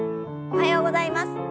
おはようございます。